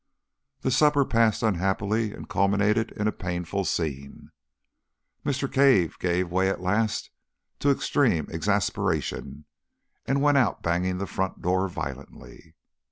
The supper passed unhappily and culminated in a painful scene. Mr. Cave gave way at last to extreme exasperation, and went out banging the front door violently.